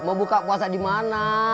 mau buka puasa di mana